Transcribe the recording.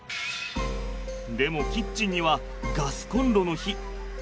でもキッチンにはガスコンロの火。